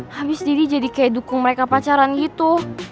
habis diri jadi kayak dukung mereka pacaran gitu